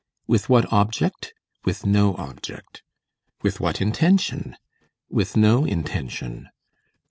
With what object? With no object. With what intention? With no intention.